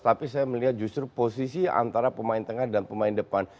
tapi saya melihat justru posisi antara pemain tengah dan pemain depan